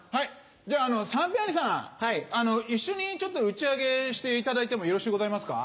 じゃあ三平兄さん一緒にちょっと打ち上げしていただいてもよろしゅうございますか？